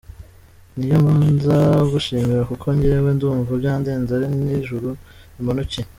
Niyo mbanza gushimira kuko njyewe ndumva byandenze ari nk’ijuru rimanukiye.